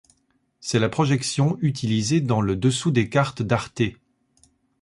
C'est la projection utilisée dans le dessous des cartes d'Arte.